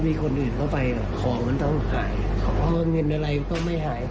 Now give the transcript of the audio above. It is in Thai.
เพราะในบ้านมันลดใช่ป่ะพี่